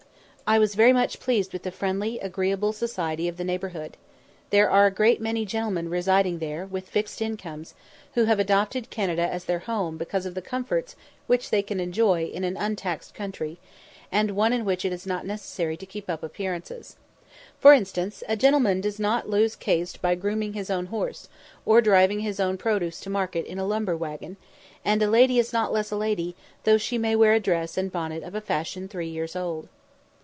I was very much pleased with the friendly, agreeable society of the neighbourhood. There are a great many gentlemen residing there, with fixed incomes, who have adopted Canada as their home because of the comforts which they can enjoy in an untaxed country, and one in which it is not necessary to keep up appearances. For instance, a gentleman does not lose caste by grooming his own horse, or driving his own produce to market in a lumber waggon; and a lady is not less a lady, though she may wear a dress and bonnet of a fashion three years old.